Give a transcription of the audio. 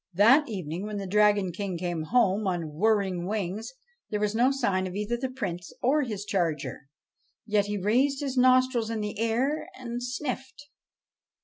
That evening, when the Dragon King came home on whirring wings, there was no sign of either the Prince or his charger. Yet he raised his nostrils in the air and sniffed.